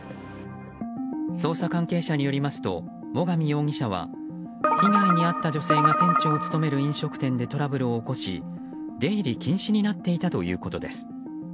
捜査関係者によりますと最上容疑者は被害に遭った女性が店長を務める飲食店でトラブルを起こし出入り禁止になっていたということです。